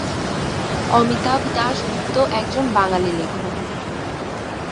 অমিতাভ দাশগুপ্ত একজন বাঙালি লেখক।